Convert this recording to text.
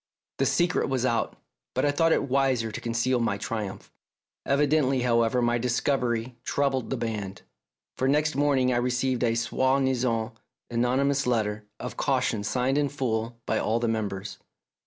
The secret was out, but I thought it wiser to conceal my triumph. Evidently, however, my discovery troubled the band, for next morning I received a soi disanl anonymous letter of caution signed in full by all the members.